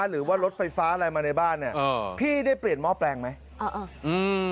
หรือว่ารถไฟฟ้าอะไรมาในบ้านนี่พี่ได้เปลี่ยนหม้อแปลงไหม